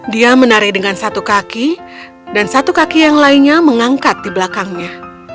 dia menari dengan satu kaki dan satu kaki yang lainnya mengangkat di belakangnya